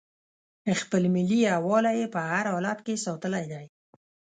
خپل ملي یووالی یې په هر حالت کې ساتلی دی.